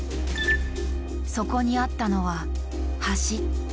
そこにあったのは「橋」。